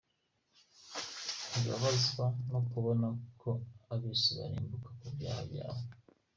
Ntibababazwa no kubona uko ab’isi barimbuka mu byaha byabo.